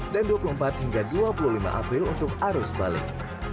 dua puluh empat hingga dua puluh lima april untuk arus balik